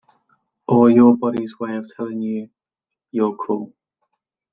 Or your body's way of telling you - your call.